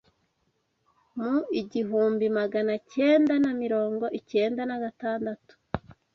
Mu igihumbi Maganacyenda na mirongo icyenda nagatandatu